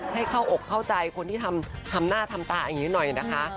ให้เข้าอกเข้าใจคนที่ทำหน้าทำตาอย่างนี้หน่อยนะคะ